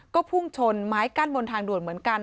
ก็พุ่งชนไม้กั้นบนทางด่วนเหมือนกัน